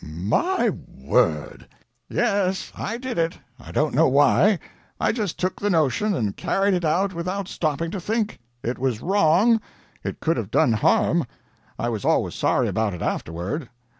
"M y word!" "Yes, I did it. I don't know why. I just took the notion, and carried it out without stopping to think. It was wrong. It could have done harm. I was always sorry about it afterward.